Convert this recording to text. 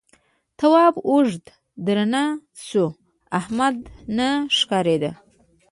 تواب اوږه درنه شوه احمد نه ښکارېده.